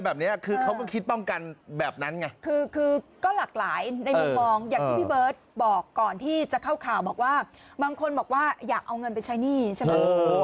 แม่จากข้อประชาชนว่าอยากเอาเงินไปใช้หนี้ใช่มั้ย